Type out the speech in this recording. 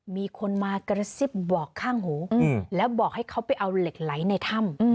มีคนมากระซิบบอกข้างหูแล้วบอกให้เขาไปเอาเหล็กไหลในถ้ำ